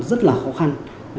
rất là khó khăn